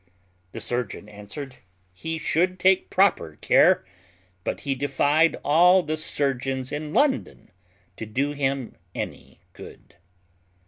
The surgeon answered, "He should take proper care; but he defied all the surgeons in London to do him any good."